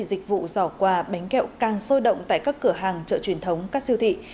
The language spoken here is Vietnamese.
bên cạnh những giỏ quà tết có chất lượng các bánh kẹo càng sôi động tại các cửa hàng chợ truyền thống các siêu thị